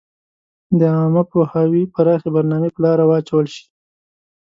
د عامه پوهاوي پراخي برنامي په لاره واچول شي.